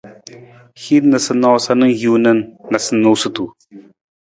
Hin noosanoosa na hiwung na noosunonosutu.